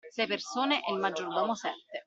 Sei persone e il maggiordomo sette.